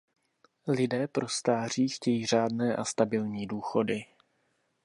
Lidé pro stáří chtějí řádné a stabilní důchody.